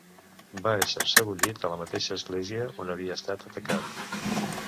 Va ésser sebollit a la mateixa església on havia estat atacat.